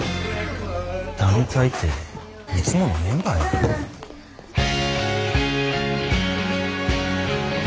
団体っていつものメンバーやん。